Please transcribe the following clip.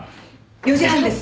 ４時半です。